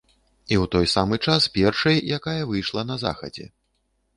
І ў той самы час першай, якая выйшла на захадзе.